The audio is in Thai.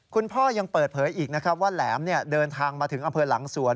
คุณพ่อยังเปิดเผยอีกนะครับว่าแหลมเดินทางมาถึงอำเภอหลังสวน